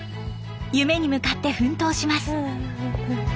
夢に向かって奮闘します。